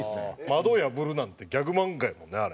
窓破るなんてギャグ漫画やもんねあれ。